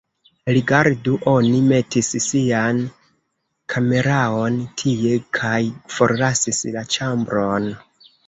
Rigardu, oni metis sian kameraon tie kaj forlasis la ĉambron